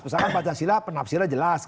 misalkan pancasila penafsirnya jelas